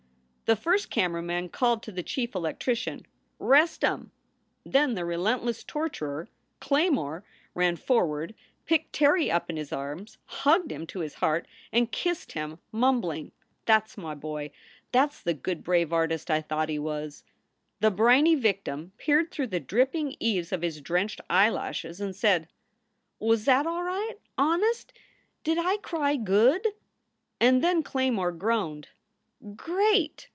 The first camera man called to the chief electrician, "Rest em!" Then the relentless torturer, Claymore, ran forward, picked Terry up in his arms, hugged him to his heart, and kissed him, mumbling : SOULS FOR SALE 267 4 That s my boy! That s the good, brave artist I thought he was." The briny victim peered through the dripping eaves of his drenched eyelashes and said: "Was at all right? Honest? Did I cry good?" And when Claymore groaned, "Great!"